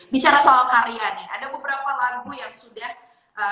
bicara soal karya nih ada beberapa lagu yang sudah